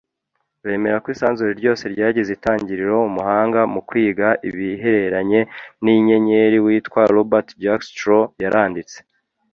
bemera ko isanzure ryose ryagize itangiriro Umuhanga mu kwiga ibihereranye n inyenyeri witwa Robert Jastrow yaranditse